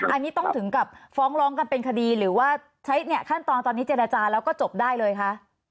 อันนี้ต้องถึงกับฟ้องร้องกันเป็นคดีหรือว่าใช้เนี่ยขั้นตอนตอนนี้เจรจาแล้วก็จบได้เลยคะ